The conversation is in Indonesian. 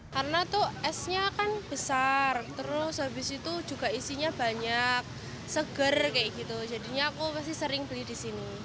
karena esnya kan besar terus habis itu juga isinya banyak seger kayak gitu jadinya aku mesti sering beli disini